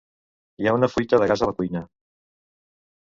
Hi ha una fuita de gas a la cuina.